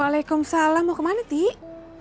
waalaikumsalam mau ke mana dik